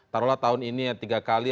taruhlah tahun ini ya tiga kali